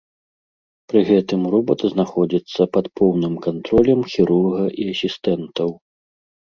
Пры гэтым робат знаходзіцца пад поўным кантролем хірурга і асістэнтаў.